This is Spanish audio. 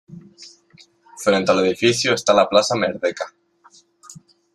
Frente al edificio está la Plaza Merdeka.